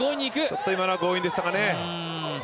ちょっと今のは強引でしたかね。